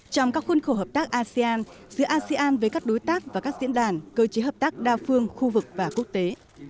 trong các khuôn khổ hợp tác asean giữa asean với các đối tác và các diễn đàn cơ chế hợp tác đa phương khu vực và quốc tế